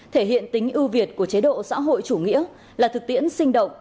thể hiện tính ưu việt của chế độ xã hội chủ nghĩa là thực tiễn sinh động